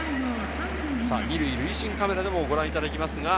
２塁塁審カメラでもご覧いただきます。